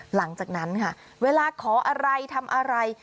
หลังจากนั้นค่ะเวลาขออะไรทำอะไร